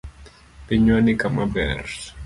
Pinywani kama ber.